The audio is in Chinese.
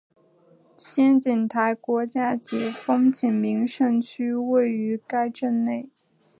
仙景台国家级风景名胜区位于该镇内。